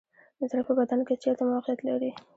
زړه په بدن کې چیرته موقعیت لري